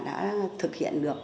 đã thực hiện được